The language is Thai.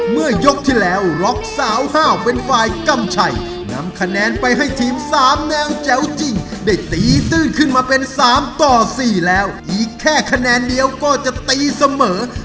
เมื่อยกที่แล้วล็อกสาวห้าวเป็นฝ่ายกำชัยนำคะแนนไปให้ทีม๓แนวแจ๋วจริงได้ตีตื้นขึ้นมาเป็น๓ต่อ๔แล้วอีกแค่คะแนนเดียวก็จะตีเสมอ